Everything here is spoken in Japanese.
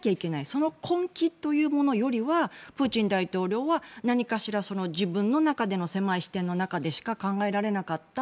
その根気というものよりはプーチン大統領は何かしら、自分の中での狭い視点の中でしか考えられなかった。